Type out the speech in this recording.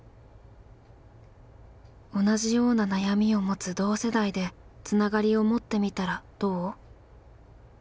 「同じような悩みを持つ同世代でつながりを持ってみたらどう？」。